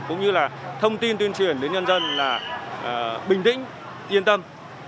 cũng như là thông tin tuyên truyền đến nhân dân là bình tĩnh yên tâm